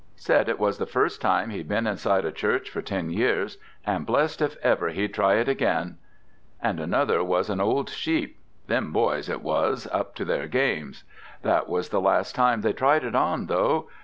said it was the first time he'd been inside a church for ten years, and blest if ever he'd try it again. The other was an old sheep: them boys it was, up to their games. That was the last time they tried it on, though.